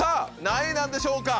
何位なんでしょうか？